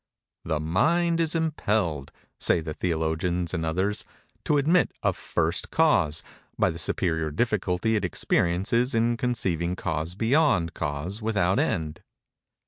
"The mind is impelled," say the theologians and others, "to admit a First Cause, by the superior difficulty it experiences in conceiving cause beyond cause without end."